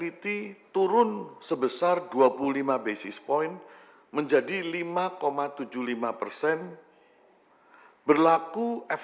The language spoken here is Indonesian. kami berharap bapak ibu bapak ibu yang telah menerima pertumbuhan di sini